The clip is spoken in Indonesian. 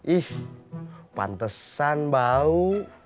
ih pantesan bau